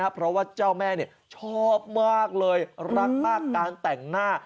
เพราะว่าเจ้าแม่ชอบมากเลยรักมากการแต่งหน้า